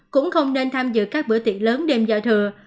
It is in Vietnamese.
cũng không nên tham dự các bữa tiệc lớn đêm giao thừa